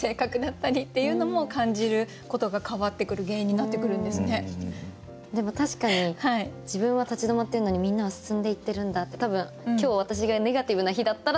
やっぱりでも確かに自分は立ち止まってるのにみんなは進んでいってるんだって多分今日私がネガティブな日だったらそう思ってると思います。